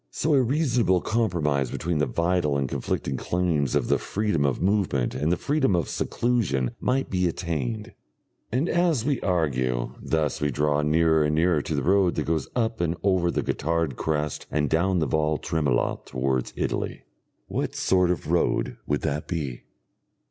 So a reasonable compromise between the vital and conflicting claims of the freedom of movement and the freedom of seclusion might be attained.... And as we argue thus we draw nearer and nearer to the road that goes up and over the Gotthard crest and down the Val Tremola towards Italy. What sort of road would that be?